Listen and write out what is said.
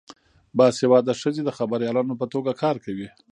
باسواده ښځې د خبریالانو په توګه کار کوي.